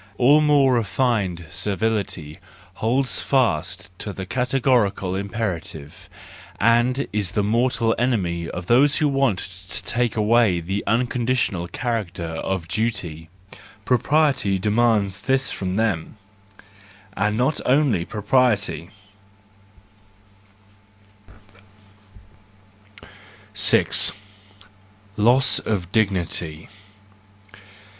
All more refined servility holds fast to the categorical impera¬ tive, and is the mortal enemy of those who want to take away the unconditional character of duty: propriety demands this from them, and not only propriety. 42 THE JOYFUL WISDOM, I 6 . Loss of Dignity